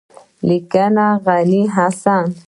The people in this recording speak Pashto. لیکنه: غني حسن